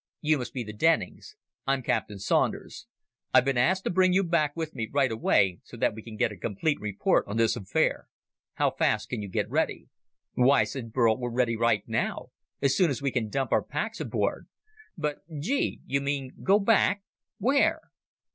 "You must be the Dennings. I'm Captain Saunders. I've been asked to bring you back with me right away so that we can get a complete report on this affair. How fast can you get ready?" "Why," said Burl, "we're ready right now. As soon as we can dump our packs aboard. But, gee, you mean go back where?"